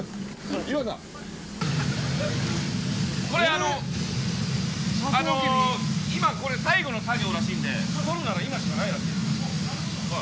あの今これ最後の作業らしいんで撮るなら今しかないらしいです。